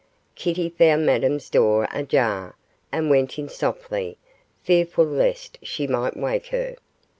Kitty found Madame's door ajar, and went in softly, fearful lest she might wake her.